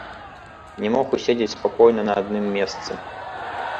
Не мог уседзець спакойна на адным месцы.